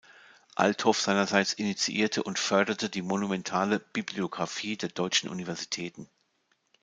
Althoff seinerseits initiierte und förderte die monumentale "Bibliographie der deutschen Universitäten".